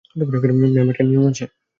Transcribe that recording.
Ma'am, একটা নিয়ম আছে।